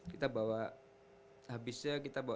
kita bawa keturamanya di bangkok makanya kita bawa